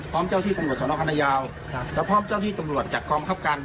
พร้อมเจ้าที่ตำรวจสนคณะยาวแล้วพร้อมเจ้าที่ตำรวจจากกองคับการ